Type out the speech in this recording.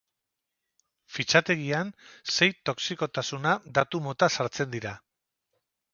Fitxategian sei toxikotasuna datu mota sartzen dira.